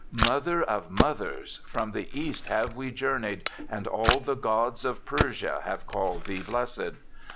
Mother of mothers, from the East have we journeyed and all the gods of Persia have called thee blessed.